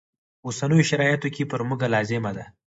په اوسنیو شرایطو کې پر موږ لازمه ده.